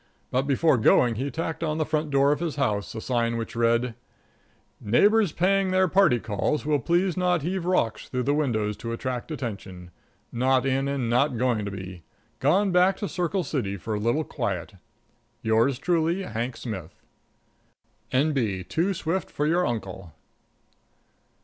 But before going he tacked on the front door of his house a sign which read: "Neighbors paying their party calls will please not heave rocks through windows to attract attention. Not in and not going to be. Gone back to Circle City for a little quiet. "Yours truly, "HANK SMITH. "N.B. Too swift for your uncle."